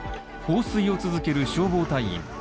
放水を続ける消防隊員。